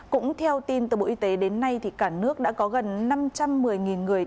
cũng theo tin từ bộ y tế đến nay cả nước đã có gần năm trăm một mươi người